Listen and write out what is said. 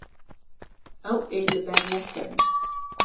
Ew ê li ber nekevin.